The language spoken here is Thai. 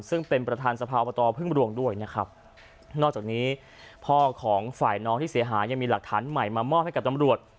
ซึ่งเป็นประธานสภาอบตพึ่งรวงด้วยนะครับนอกจากนี้พ่อของฝ่ายน้องที่เสียหายยังมีหลักฐานใหม่มามอบให้กับตำรวจ